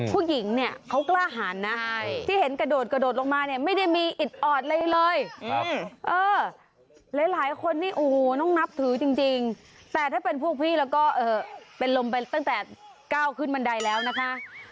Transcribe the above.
ผู้หญิงเนี่ยเขากล้าหันนะที่เห็นกระโดดกระโดดลงมาเนี่ยไม่ได้มีอิดออดอะไรเลยหลายคนนี่โอ้โหน้องนับถือจริงแต่ถ้าเป็นพวกพี่แล้วก็เป็นลมไปตั้งแต่ก้าวขึ้นบันไดแล้วนะคะ